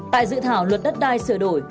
tại dự thảo luật đất đai sửa đổi